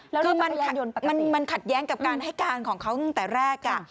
คือมันขัดแย้งกับการให้การของเขาตั้งแต่แรก